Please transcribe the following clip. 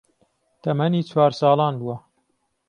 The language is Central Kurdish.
تەمەنی چوار ساڵان بووە